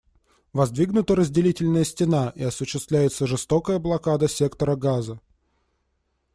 Воздвигнута разделительная стена, и осуществляется жестокая блокада сектора Газа.